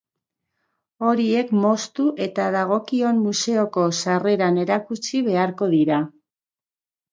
Horiek moztu eta dagokion museoko sarreran erakutsi beharko dira.